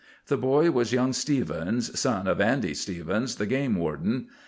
The boy was young Stephens, son of Andy Stephens, the game warden.